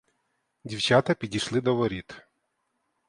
Дівчата підійшли до воріт.